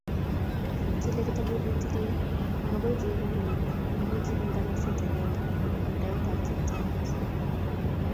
Kile kitabut netilil amakoi keegu bunyik amu kibo nganaset agenge eng tait ab Kiptayat